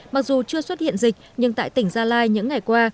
mặc dù chưa xuất hiện dịch nhưng tại tỉnh gia lai những ngày qua